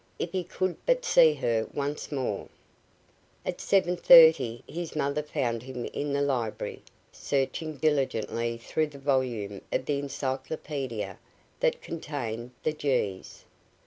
If he could but see her once more! At 7:30 his mother found him in the library, searching diligently through the volume of the encyclopedia that contained the G's.